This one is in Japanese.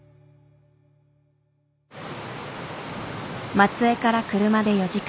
松江から車で４時間。